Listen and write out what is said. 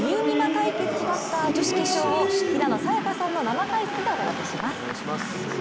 対決となった女子決勝を平野早矢香さんの生解説でお届けします。